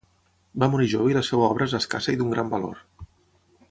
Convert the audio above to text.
Va morir jove i la seva obra és escassa i d'un gran valor.